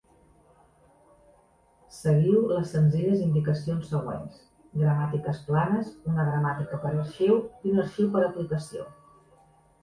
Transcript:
Seguiu les senzilles indicacions següents: gramàtiques planes, una gramàtica per arxiu i un arxiu per aplicació.